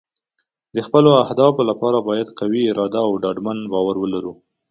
د خپلو اهدافو لپاره باید قوي اراده او ډاډمن باور ولرو.